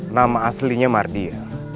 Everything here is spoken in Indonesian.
nama aslinya mardian